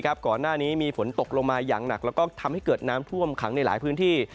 ก่อนหน้านี้มีฝนตกลงมาอย่างหนักแล้วก็ทำให้เกิดน้ำท่วมขังในหลายพื้นที่